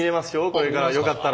これからよかったら。